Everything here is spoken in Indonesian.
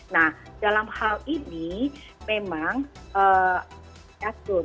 nah dalam hal ini memang diatur